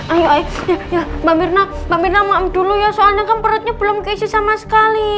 ayo mbak mirna mbak mirna dulu ya soalnya kan perutnya belum keisi sama sekali